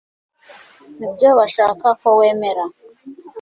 nibyo bashaka ko wemera